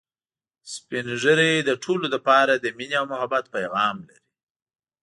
سپین ږیری د ټولو لپاره د ميني او محبت پیغام لري